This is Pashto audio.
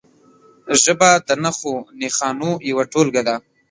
ژبه د نښو نښانو یوه ټولګه ده.